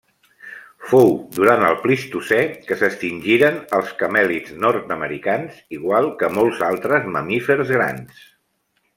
Fou durant el Plistocè que s'extingiren els camèlids nord-americans, igual que molts altres mamífers grans.